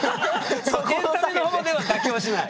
エンタメの方では妥協しない。